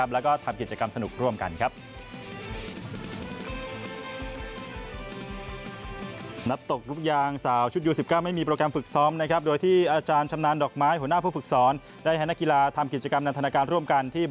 และทำกิจกรรม